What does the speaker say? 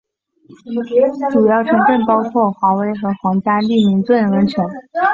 主要城镇包括华威和皇家利明顿温泉。